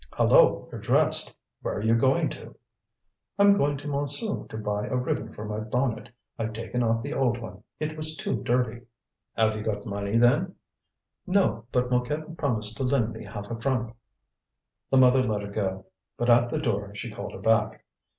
"Hallo! you're dressed. Where are you going to?" "I'm going to Montsou to buy a ribbon for my bonnet. I've taken off the old one; it was too dirty." "Have you got money, then?" "No! but Mouquette promised to lend me half a franc." The mother let her go. But at the door she called her back.